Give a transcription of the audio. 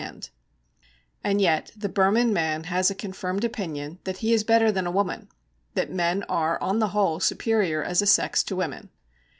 And yet the Burman man has a confirmed opinion that he is better than a woman, that men are on the whole superior as a sex to women.